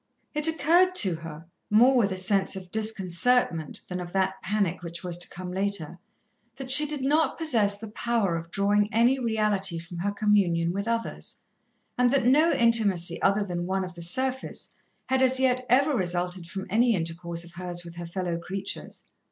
It occurred to her, more with a sense of disconcertment than of that panic which was to come later, that she did not possess the power of drawing any reality from her communion with others, and that no intimacy other than one of the surface had as yet ever resulted from any intercourse of hers with her fellow creatures.